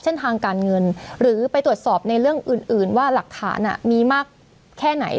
เส้นทางการเงินหรือไปตรวจสอบในเรื่องอื่นว่าหลักฐานมีมากแค่ไหน